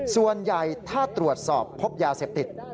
ส่วนใหญ่ถ้าตรวจสอบพบยาเสพติด